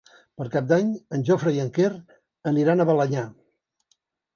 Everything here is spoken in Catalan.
Per Cap d'Any en Jofre i en Quer aniran a Balenyà.